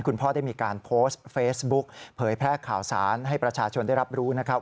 คุณพ่อได้มีการโพสต์เฟซบุ๊กเผยแพร่ข่าวสารให้ประชาชนได้รับรู้นะครับ